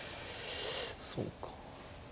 そうか。